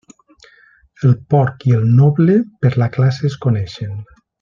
El porc i el noble, per la classe es coneixen.